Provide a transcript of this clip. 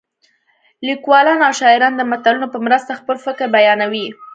لیکوالان او شاعران د متلونو په مرسته خپل فکر بیانوي